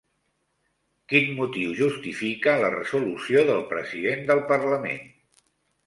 Quin motiu justifica la resolució del president del parlament?